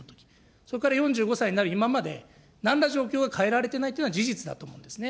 それから４５歳になる今まで、なんら状況は変えられていないというのは事実だと思うんですよね。